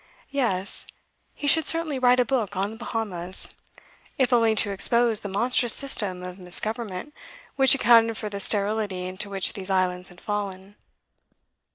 Yes, he should certainly write a book on the Bahamas, if only to expose the monstrous system of misgovernment which accounted for the sterility into which these islands had fallen.